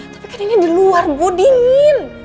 tapi kan ini di luar gue dingin